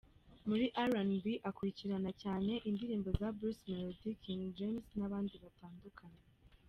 Muri RnB akurikirana cyane indirimbo za Bruce Melody, King James n’abandi batandukanye.